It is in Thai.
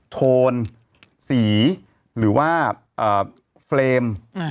โทนสีหรือว่าเฟรม